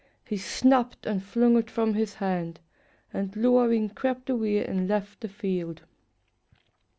He snapped and flung it from his hand, And lowering crept away and left the field.